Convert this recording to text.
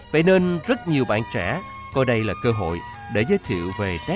vậy nên rất nhiều bạn trẻ coi đây là cơ hội để giới thiệu về tết đẹp